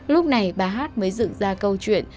lúc này bà hát mới dựng ra câu chuyện